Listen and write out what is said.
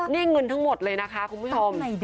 นี่เงินทั้งหมดเลยนะคะคุณผู้ชม